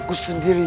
kau akan menang